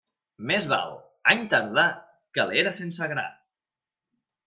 Més val any tardà que l'era sense gra.